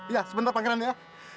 ya sebentar pangeran ya